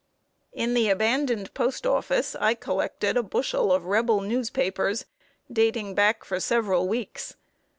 In the abandoned post office I collected a bushel of Rebel newspapers, dating back for several weeks.